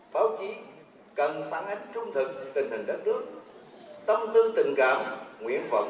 báo chí cần phản ánh trung thực tình hình đất nước tâm tư tình cảm nguyện vọng